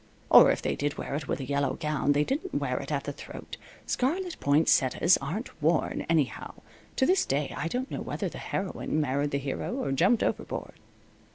Or if they did wear it with a yellow gown, they didn't wear it at the throat. Scarlet poinsettias aren't worn, anyhow. To this day I don't know whether the heroine married the hero or jumped overboard.